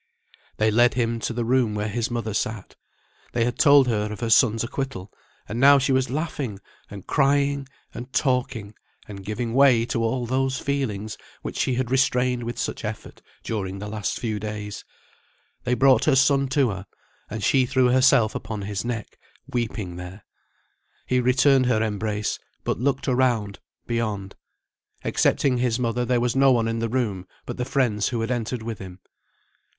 They led him to the room where his mother sat. They had told her of her son's acquittal, and now she was laughing, and crying, and talking, and giving way to all those feelings which she had restrained with such effort during the last few days. They brought her son to her, and she threw herself upon his neck, weeping there. He returned her embrace, but looked around, beyond. Excepting his mother there was no one in the room but the friends who had entered with him.